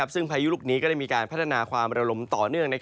ซึ่งพายุลูกนี้ก็ได้มีการพัฒนาความระลมต่อเนื่อง